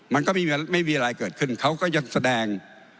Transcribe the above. มันก็ไม่มีอะไรเกิดขึ้นเขาก็ยังแสดง